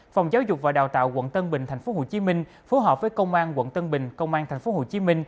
phòng giáo dục và đào tạo quận tân bình tp hcm phối hợp với công an quận tân bình công an tp hcm